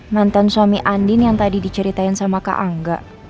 mantan suami andin yang tadi diceritain sama kak angga